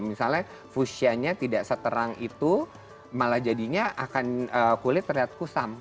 misalnya fusianya tidak seterang itu malah jadinya akan kulit terlihat kusam